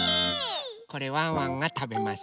これワンワンがたべます。